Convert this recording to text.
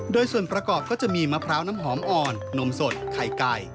โดยส่วนประกอบก็จะมีมะพร้าวน้ำหอมอ่อนนมสดไข่ไก่